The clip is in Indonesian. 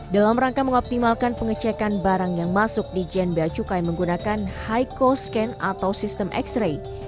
dalam rangka mengoptimalkan pengecekan barang yang masuk di gen bea cukai menggunakan high co scan atau sistem x ray